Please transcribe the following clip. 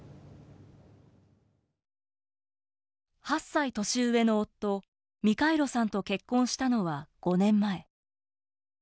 ８歳年上の夫ミカイロさんと結婚したのは５年前。